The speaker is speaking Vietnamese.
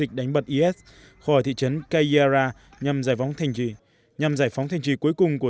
chống is khỏi thị trấn qayyarah nhằm giải phóng thanh trì nhằm giải phóng thanh trì cuối cùng của